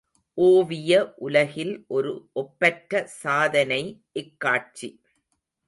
ஓவிய உலகில் ஒரு ஒப்பற்ற சாதனை இக்காட்சி.